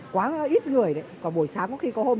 quá ít người đấy còn buổi sáng có khi có hôm